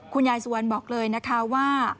คุณยายซูวันบอกเลยนะคะว่า